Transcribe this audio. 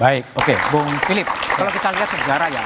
baik oke bung philip kalau kita lihat sejarah ya